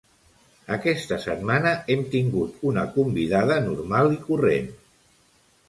Aquesta setmana hem tingut una convidada normal i corrent.